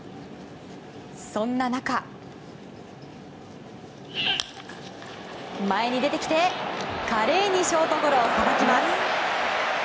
そんな中、前に出てきて華麗にショートゴロをさばきます。